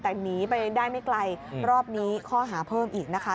แต่หนีไปได้ไม่ไกลรอบนี้ข้อหาเพิ่มอีกนะคะ